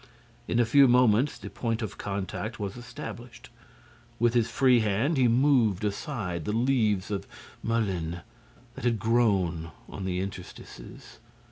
In a few moments, the point of contact was established. With his free hand, he moved aside the leaves of mullein that had grown in the interstices.